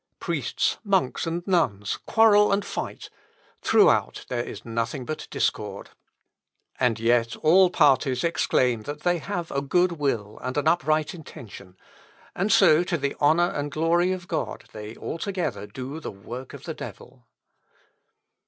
Priests, monks, and nuns, quarrel and fight; throughout there is nothing but discord. And yet all parties exclaim that they have a good will and an upright intention; and so to the honour and glory of God they altogether do the work of the devil....